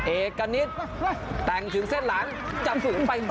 เอกะนิดแต่งถึงเส้นหลังจำสืบไปต่อ